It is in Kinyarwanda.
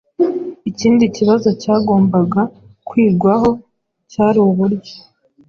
Ikindi kibazo cyagombaga kwigwaho cyari uburyo